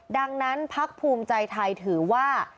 ดังนั้นพักภูมิใจไทยถือว่า